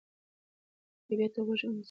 طبیعت ته غوږ ونیسئ.